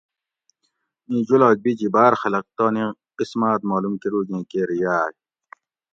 اِیں جولاگ بِیجی باۤر خلق تانی قسماۤت معلوم کروگیں کیر یاۤگ